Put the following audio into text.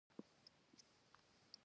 ملګری د مینې انځور دی